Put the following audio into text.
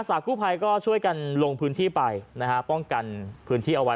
สากู้ภัยก็ช่วยกันลงพื้นที่ไปนะฮะป้องกันพื้นที่เอาไว้